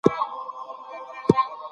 انسان باید تل رښتیا ووایی.